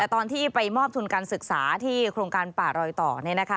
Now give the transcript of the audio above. แต่ตอนที่มอบทุนการศึกษาที่โครงการป่ารอยต่อนี่นะคะ